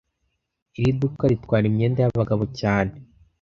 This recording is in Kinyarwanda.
Iri duka ritwara imyenda yabagabo cyane